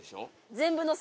「全部のせ」